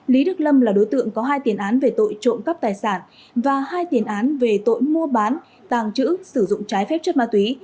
lý đức lâm là đối tượng có hai tiền án về tội trộm cắp tài sản và hai tiền án về tội mua bán tàng trữ sử dụng trái phép chất ma túy